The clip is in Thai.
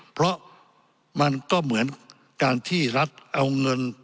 เพราะมันก็เหมือนการที่รัฐเอาเงิน